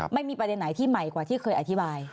ไม่มีประเด็นไหนที่ใหม่กว่าที่เคยอธิบาย